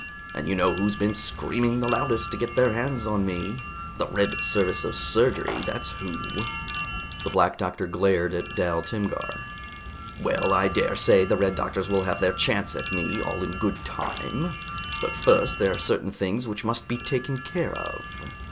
And you know who's been screaming the loudest to get their hands on me. The Red Service of Surgery, that's who!" The Black Doctor glared at Dal Timgar. "Well, I dare say the Red Doctors will have their chance at me, all in good time. But first there are certain things which must be taken care of."